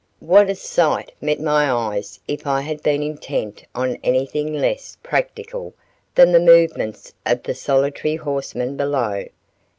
What a sight met my eyes if I had been intent on anything less practical than the movements of the solitary horseman below!